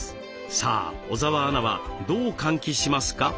さあ小澤アナはどう換気しますか？